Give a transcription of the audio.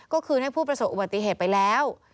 ก็คืนให้ผู้ประสบอุบัติเหตุไปแล้ว